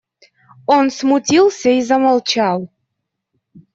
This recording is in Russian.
Он смутился и замолчал.